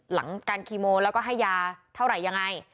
หลังการคีโมแล้วก็ให้ยาเท่าไหร่ยังไง